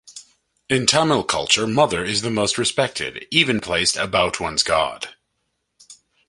In Tamil culture, Mother is the most respected, even placed about one's god.